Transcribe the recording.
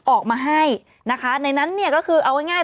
ออกมาให้นะคะในนั้นเนี่ยก็คือเอาง่าย